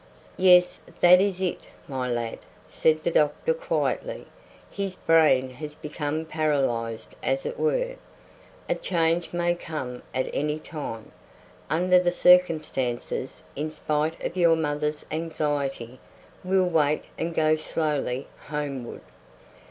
"Yes, that is it, my lad," said the doctor quietly; "his brain has become paralysed as it were. A change may come at any time. Under the circumstances, in spite of your mother's anxiety, we'll wait and go slowly homeward.